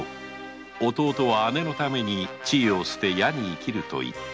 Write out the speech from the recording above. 弟は姉のために地位を捨て野に生きると言った。